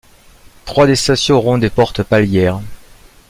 Trois des stations auront des portes palières.